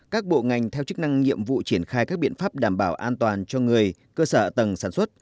các bộ ngành theo chức năng nhiệm vụ triển khai các biện pháp đảm bảo an toàn cho người cơ sở tầng sản xuất